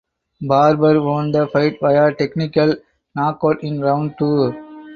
Barber won the fight via technical knockout in round two.